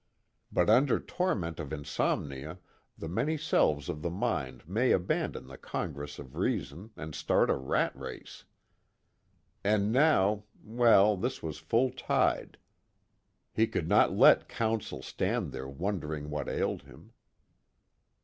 But under torment of insomnia the many selves of the mind may abandon the congress of reason and start a rat race. And now well, this was full tide; he could not let counsel stand there wondering what ailed him.